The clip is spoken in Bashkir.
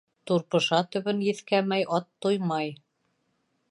Турпыша төбөн еҫкәмәй ат туймай.